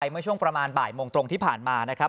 เมื่อช่วงประมาณบ่ายโมงตรงที่ผ่านมานะครับ